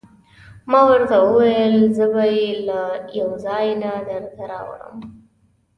ما ورته وویل: زه به يې له یوه ځای نه درته راوړم.